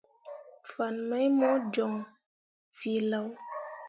Fan mai mo joŋ feelao.